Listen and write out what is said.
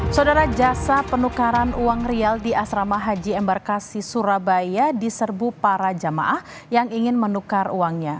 saudara jasa penukaran uang rial di asrama haji embarkasi surabaya diserbu para jamaah yang ingin menukar uangnya